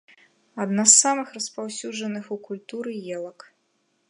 Адна з самых распаўсюджаных у культуры елак.